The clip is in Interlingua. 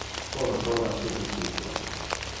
Pone foras tu bicyclo.